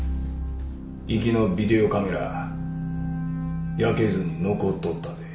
壱岐のビデオカメラ焼けずに残っとったで。